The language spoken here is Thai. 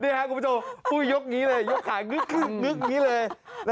นี่ค่ะกูจะยกนี้เลยยกขางึกนี้เลย